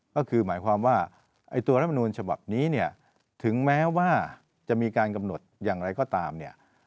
ก็คือหมายความว่าตัวรัฐมนูลฉบับนี้เนี่ยถึงแม้ว่าจะมีการกำหนดอย่างไรก็ตามเนี่ย